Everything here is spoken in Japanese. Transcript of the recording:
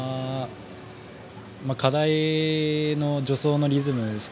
課題の助走のリズムです。